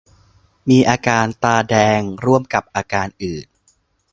มีอาการตาแดงร่วมกับอาการอื่น